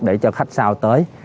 để cho khách sau tới